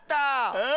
うん。